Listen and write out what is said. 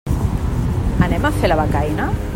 Anem a fer la becaina?